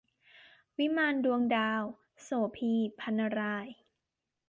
วิมานดวงดาว - โสภี พรรณราย